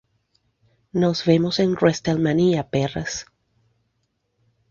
Nos vemos en WrestleMania, perras".